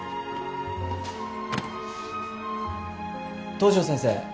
東上先生。